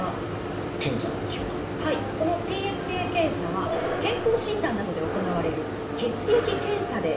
このＰＳＡ検査は健康診断などで行われる血液検査で調べることができます。